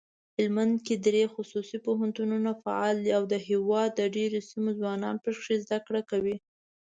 هلمندکې دري خصوصي پوهنتونونه فعال دي اودهیواد دډیروسیمو ځوانان پکښي زده کړه کوي.